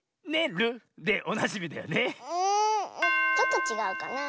んちょっとちがうかなあ。